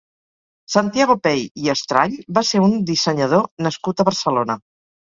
Santiago Pey i Estrany va ser un dissenyador nascut a Barcelona.